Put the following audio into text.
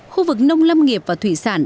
khu vực nông lâm nghiệp và thủy sản